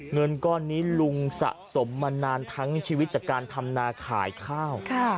เงินก้อนนี้ลุงสะสมมานานทั้งชีวิตจากการทำนาขายข้าว